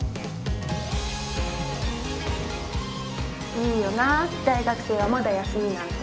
いいよな大学生はまだ休みなんて。